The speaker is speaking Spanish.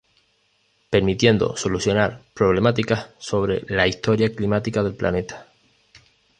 Permitiendo solucionar problemáticas sobre la historia climática del planeta.